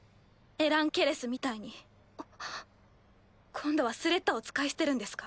今度はスレッタを使い捨てるんですか？